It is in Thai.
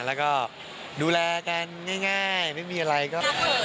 แล้วก็ดูแลกันง่ายไม่มีอะไรก็